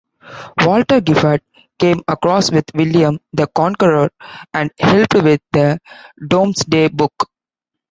Walter Giffard came across with William the Conqueror and helped with the Domesday Book.